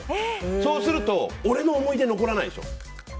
そうすると俺の思い出が残らないでしょ。